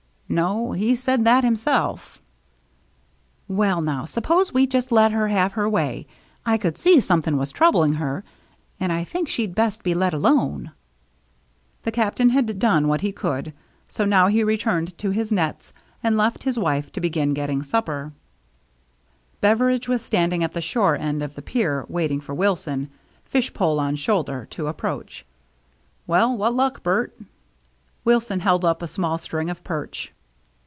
" No, he said that himself" " Well, now, suppose we just let her have her way. I could see something was troubling her, and I think she'd best be let alone." The Captain had done what he could, so now he returned to his nets and left his wife to begin getting supper. I90 THE MERRr JNNE Beveridge was standing at the shore end of the pier waiting for Wilson, fish pole on shoulder, to approach. " Well, what luck, Bert?" Wilson held up a small string of perch.